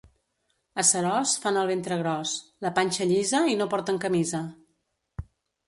A Seròs fan el ventre gros, la panxa llisa i no porten camisa.